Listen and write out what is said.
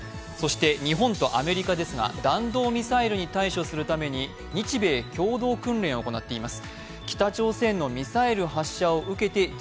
日本とアメリカですが、弾道ミサイルに対処するために、日米共同訓練を行っています。